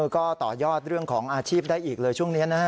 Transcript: ก็ต่อยอดเรื่องของอาชีพได้อีกเลยช่วงนี้นะฮะ